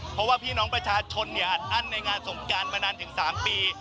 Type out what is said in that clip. เพราะว่าพี่น้องประชาชนอัดอั้นในงานสงการมานานถึง๓ปี